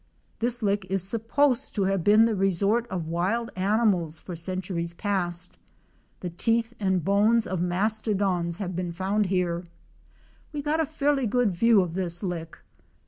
This lick is supposed to have been the resort of wild animals for centuries past. The teeth and bones of mastodons have been found here. We got a fairly good view of this lick.